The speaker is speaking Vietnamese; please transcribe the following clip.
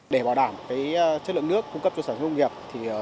để bảo đảm chất lượng nước cung cấp cho sản xuất công nghiệp